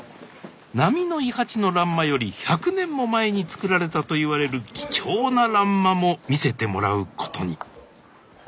波の伊八の欄間より１００年も前に作られたといわれる貴重な欄間も見せてもらうことにスタジオ